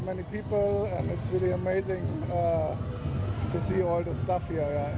lampion yang dianggap sebagai pemenangnya